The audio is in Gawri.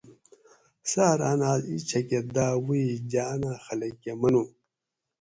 ساۤرہ اۤن آۤس ایچھکہ دا ویٔ جانہ خلک کہ منو